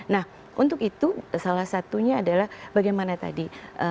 nah untuk itu salah satunya adalah bagaimana tadi